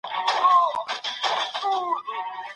په لاس لیکلنه د فکرونو د ساتلو خوندي لاره ده.